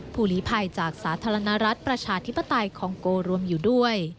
หลีภัยจากสาธารณรัฐประชาธิปไตยคองโกรวมอยู่ด้วย